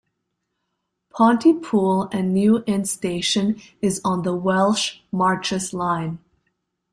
Pontypool and New Inn station is on the Welsh Marches Line.